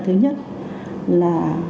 thứ nhất là